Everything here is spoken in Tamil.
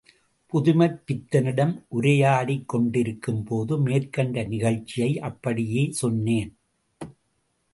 புதுமைப்பித்தனிடம் உரையாடிக் கொண்டிக்கும் போது மேற்கண்ட நிகழ்ச்சியை அப்படியே சொன்னேன்.